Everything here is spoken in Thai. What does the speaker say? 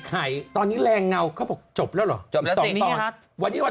ไข่ตอนนี้แลงเงาเค้าบอกจบแล้วเหรอจบละนี่ฮะวันนี้วัน